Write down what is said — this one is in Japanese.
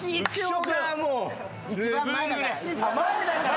一番前だから。